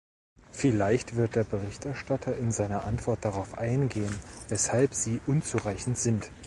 Vielleicht wird der Berichterstatter in seiner Antwort darauf eingehen, weshalb sie unzureichend sind.